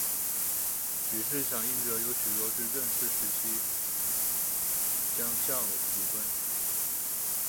举事响应者有许多是郑氏时期将校武官。